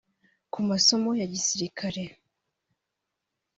ku masomo ya gisirikare